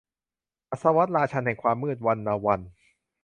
อัสวัด ราชันย์แห่งความมืด - วรรณวรรธน์